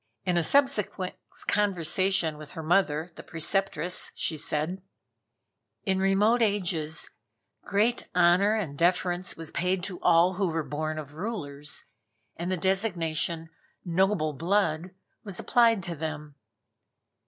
In a subsequent conversation with her mother, the Preceptress, she said: "In remote ages, great honor and deference was paid to all who were born of rulers, and the designation 'noble blood,' was applied to them.